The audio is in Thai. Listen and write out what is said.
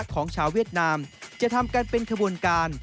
ของชาวเวียดนามจะทำกันเป็นขบวนการ